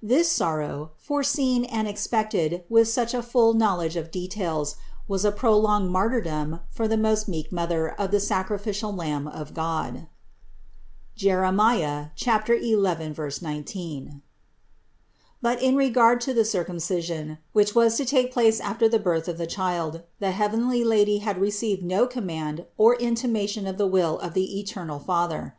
This sorrow, foreseen and expected with such a full knowledge of details, was a prolonged martyrdom for the most meek Mother of the sacrificial Lamb of God (Jer. 11, 19). But in regard to the Circumcision, which was to take place after the birth of the Child, the heavenly Lady had received no command or intimation of the will of the eternal Father.